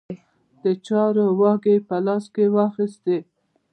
د چارو واګې په لاس کې واخیستې.